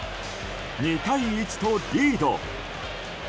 ２対１とリード。